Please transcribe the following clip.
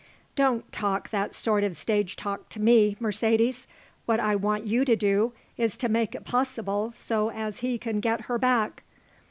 "Don't talk that sort of stage talk to me, Mercedes. What I want you to do is to make it possible so as he can get her back."